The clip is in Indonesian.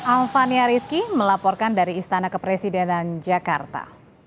alvania rizki melaporkan dari istana kepresidenan jakarta